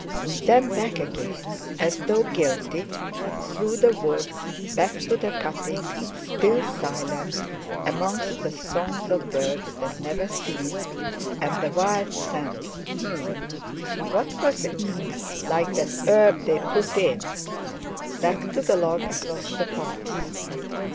Then back again, as though guilty, through the wood—back to the cutting, still silent, amongst the songs of birds that never ceased, and the wild scent—hum! what was it—like that herb they put in—back to the log across the path....